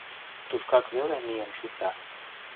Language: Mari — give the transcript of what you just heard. Тушкак веле миен шукта...